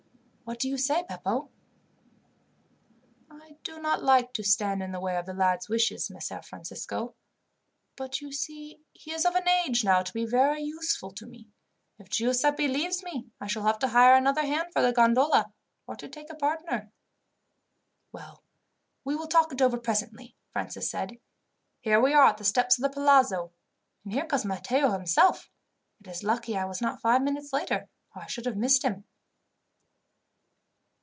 "What do you say, Beppo?" "I do not like to stand in the way of the lad's wishes, Messer Francisco; but, you see, he is of an age now to be very useful to me. If Giuseppi leaves me, I shall have to hire another hand for the gondola, or to take a partner." "Well, we will talk it over presently," Francis said. "Here we are at the steps of the palazzo, and here comes Matteo himself. It is lucky I was not five minutes later, or I should have missed him."